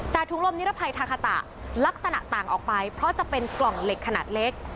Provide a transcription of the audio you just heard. แต่ถุงลมนิรภัยทาคาตะลักษณะต่างออกไปเพราะจะเป็นกล่องเหล็กขนาดเล็ก